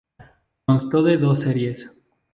Constó de dos series.